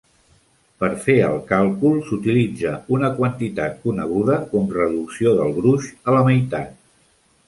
Per fer el calcul, s"utilitza una quantitat coneguda com "reducció del gruix a la meitat".